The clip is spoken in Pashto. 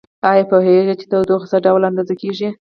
ایا پوهیږئ چې تودوخه څه ډول اندازه کیږي؟